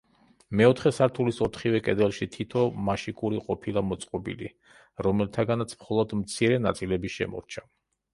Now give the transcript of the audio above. მეოთხე სართულის ოთხივე კედელში თითო მაშიკული ყოფილა მოწყობილი, რომელთაგანაც მხოლოდ მცირე ნაწილები შემორჩა.